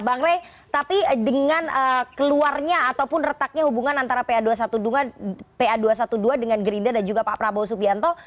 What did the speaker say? bang rey tapi dengan keluarnya ataupun retaknya hubungan antara pa dua ratus dua belas dengan gerindra dan juga pak prabowo subianto